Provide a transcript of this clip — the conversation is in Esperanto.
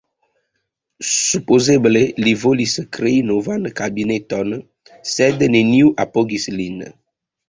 Supozeble li volis krei novan kabineton, sed neniu apogis lin.